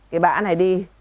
cái bã này đi